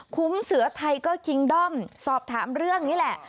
เสือไทเกอร์คิงด้อมสอบถามเรื่องนี้แหละ